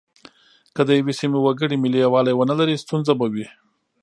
که د یوې سیمې وګړي ملي یووالی ونه لري ستونزه به وي.